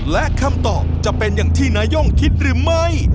และคำตอบจะเป็นอย่างที่นาย่งคิดหรือไม่